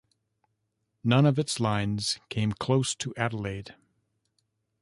None of its lines came close to Adelaide.